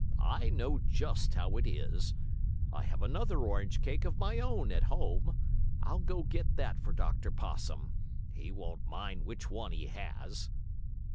"I know just how it is. I have another orange cake of my own at home. I'll go get that for Dr. Possum. He won't mind which one he has."